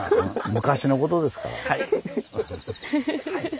昔のことですから。